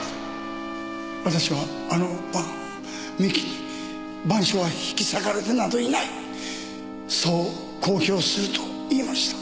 私はあの晩三木に『晩鐘』は引き裂かれてなどいない！そう公表すると言いました。